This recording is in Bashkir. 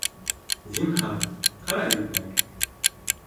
Зинһар, ҡара икмәк